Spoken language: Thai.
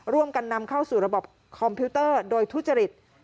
ร่วมกันนำเข้าสู่ระบบคอมพิวเตอร์โดยทุจริต